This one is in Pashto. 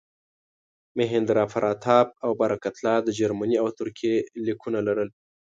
مهیندراپراتاپ او برکت الله د جرمني او ترکیې لیکونه لرل.